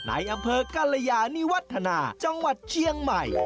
ในอำเภอกรยานิวัฒนาจังหวัดเชียงใหม่